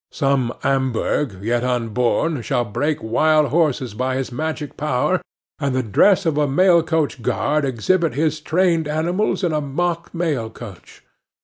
Some Amburgh, yet unborn, shall break wild horses by his magic power; and in the dress of a mail coach guard exhibit his TRAINED ANIMALS in a mock mail coach.